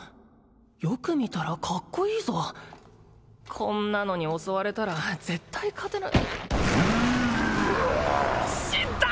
よく見たらカッコいいぞこんなのに襲われたら絶対勝てな死んだ！